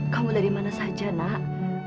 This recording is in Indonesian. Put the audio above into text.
kamu dari mana saja nak